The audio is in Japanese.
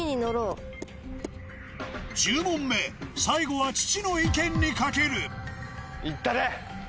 １０問目最後は父の意見に賭ける行ったれ！